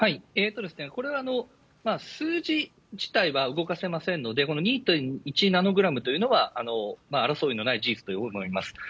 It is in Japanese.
これは数字自体は動かせませんので、この２．１ナノグラムというのは、争いのない事実だと思います。